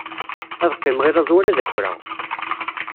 Ad qqimeɣ i laẓ wala ad akreɣ.